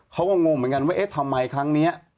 งงเหมือนกันว่าเอ๊ะทำไมครั้งนี้